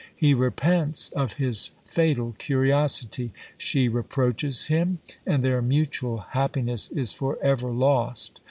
He repents of his fatal curiosity: she reproaches him, and their mutual happiness is for ever lost.